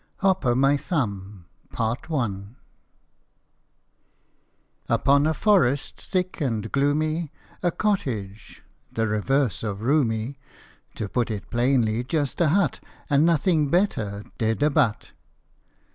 HOP O' MY THUMB. TJPON a forest thick and gloomy A cottage, the reverse of roomy To put it plainly, just a hut And nothing better did abut.